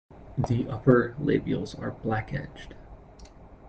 The upper labials are black-edged.